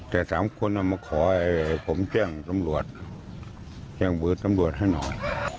แต่สามคนเอามาขอผมแจ้งตำรวจแจ้งมือตำรวจให้หน่อย